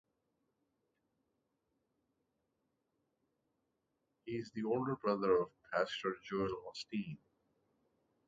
He is the older brother of Pastor Joel Osteen.